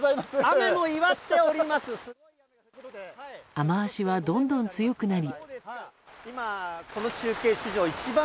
雨脚はどんどん強くなり。